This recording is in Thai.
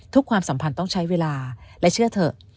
ความสัมพันธ์ต้องใช้เวลาและเชื่อเถอะ